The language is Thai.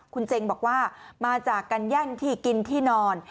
คุณเจงบอกว่ามาจากการแย่งที่กินที่นอน